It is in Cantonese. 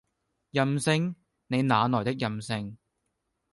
任性？你那來的任性？